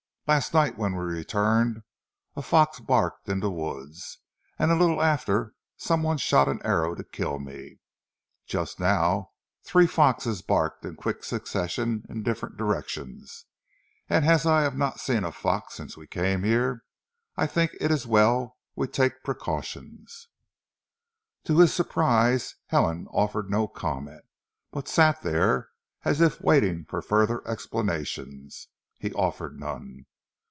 "Last night when we returned a fox barked in the wood, and a little after some one shot an arrow to kill me. Just now three foxes barked in quick succession in different directions, and as I have not seen a fox since we came here, I think it is as well to take precautions." To his surprise Helen offered no comment, but sat there as if waiting for further explanations. He offered none.